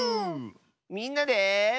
みんなで。